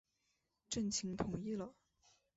郑覃同意了。